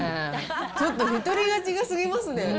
ちょっと一人勝ちが過ぎますね。